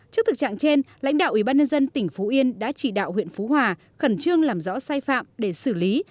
trước thực trạng trên lãnh đạo ubnd tỉnh phú yên đã chỉ đạo huyện phú hòa khẩn trương làm rõ sai phạm để xử lý